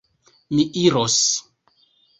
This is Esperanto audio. Mi iros.